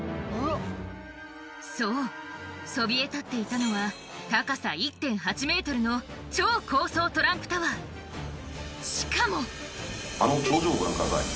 そうそびえたっていたのは超高層トランプタワーしかもあの頂上をご覧ください。